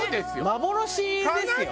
幻ですよ。